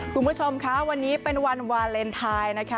คุณผู้ชมคะวันนี้เป็นวันวาเลนไทยนะคะ